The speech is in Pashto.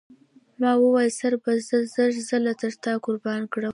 ما وویل سر به زه زر ځله تر تا قربان کړم.